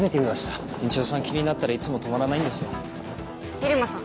入間さん